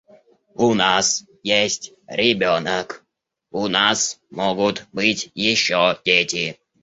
У нас есть ребенок, у нас могут быть еще дети.